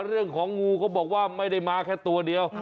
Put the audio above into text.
เรื่องของงูเขาบอกว่าไม่ได้มาแค่ตัวเดียว